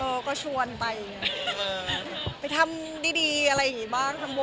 มันก็ชิ้วไม่ได้มีอะไรเครียด